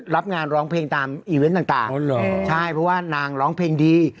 รับงานร้องเพลงตามอีเวนต์ต่างใช่เพราะว่านางร้องเพลงดี